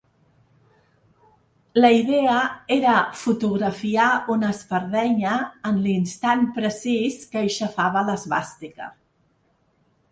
La idea era fotografiar una espardenya en l’instant precís que aixafava l’esvàstica.